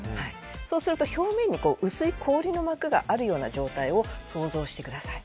そうすると、表面に薄い氷の膜があるような状態を想像してください。